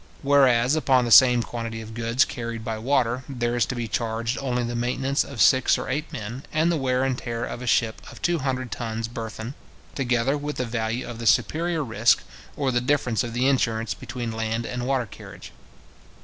Whereas, upon the same quantity of goods carried by water, there is to be charged only the maintenance of six or eight men, and the wear and tear of a ship of two hundred tons burthen, together with the value of the superior risk, or the difference of the insurance between land and water carriage.